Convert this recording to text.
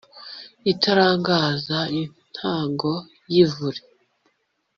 itarangaza intango y’ ivure,